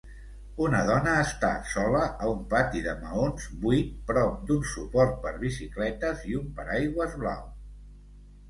Una dona està sola a un pati de maons buid prop d'un suport per bicicletes i un paraigües blau